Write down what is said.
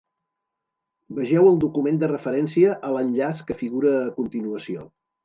Vegeu el document de referència a l'enllaç que figura a continuació.